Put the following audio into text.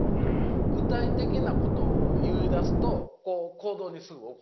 具体的なことを言いだすと行動にすぐ起こせる。